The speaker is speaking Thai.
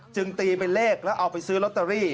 ตีเป็นเลขแล้วเอาไปซื้อลอตเตอรี่